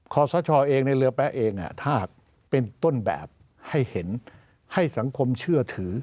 ขอสชเองในเรือแป๊ะเองถ้าเป็นต้นแบบให้เห็นให้สังคมเชื่อถือ